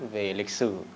về lịch sử